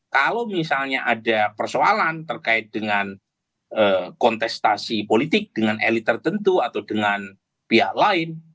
kalau misalnya ada persoalan terkait dengan kontestasi politik dengan elit tertentu atau dengan pihak lain